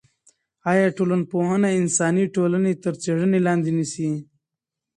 آیا ټولنپوهنه انساني ټولنې تر څېړنې لاندې نیسي؟